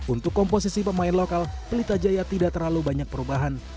untuk komposisi pemain lokal pelita jaya tidak terlalu banyak perubahan